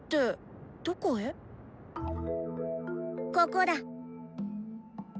ここだ。